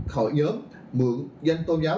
hội nhóm mượn danh tôn giáo